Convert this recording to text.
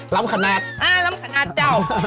รำขนาดอ้าวรำขนาดจะว